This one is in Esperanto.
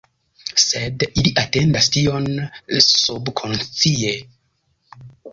Sed ili atendas tion subkonscie